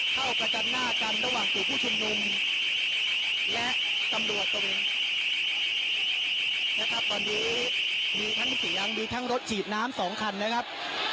ประจันหน้ากันระหว่างกลุ่มผู้ชุมนุมและตำรวจตรงนะครับตอนนี้มีทั้งเสียงมีทั้งรถฉีดน้ำสองคันนะครับ